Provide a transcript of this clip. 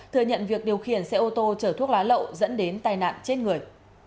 thừa nhận việc điều khiển xe ô tô chở thuốc lá lậu dẫn đến tai nạn chết người